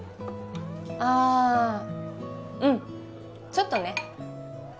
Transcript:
ああうんちょっとね